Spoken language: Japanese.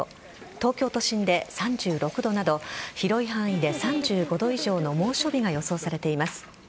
東京都心で３６度など広い範囲で３５度以上の猛暑日が予想されています。